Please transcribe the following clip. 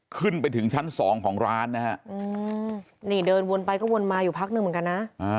ขึ้นไปถึงชั้นสองของร้านนะฮะนี่เดินวนไปก็วนมาอยู่พักหนึ่งเหมือนกันนะ